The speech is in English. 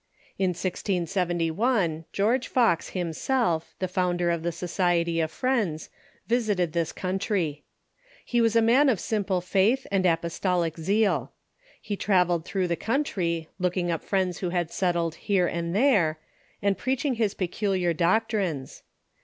In 1671, Georire Fox in America _ o j » himself, the founder of the Society of Friends, vis ited this country. He was a man of siraj^le faith and apos tolic zeal. He travelled through the country, looking up Friends who had settled here and there, and preaching his peculiar doctrines.